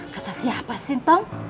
kata siapa sih tom